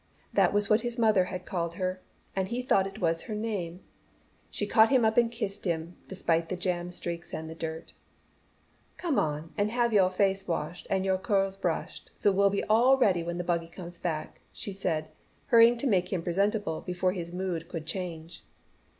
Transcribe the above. That was what his mother had called her, and he thought it was her name. She caught him up and kissed him, despite the jam streaks and the dirt. "Come on and have yoah face washed and yoah curls brushed, so we'll be all ready when the buggy comes back," she said, hurrying to make him presentable before his mood could change.